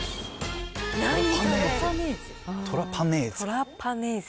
トラパネーゼ？